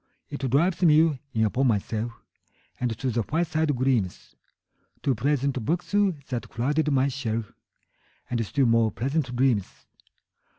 It drives me in upon myself 5 And to the fireside gleams, To pleasant books that crowd my shelf, And still more pleasant dreams.